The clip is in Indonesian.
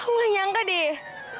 gue gak nyangka deh